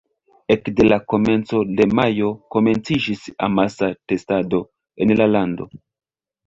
Ekde la komenco de majo komenciĝis amasa testado en la lando.